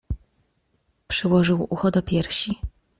Przyłożył ucho do piersi.